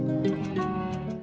và thời gian thử thách năm năm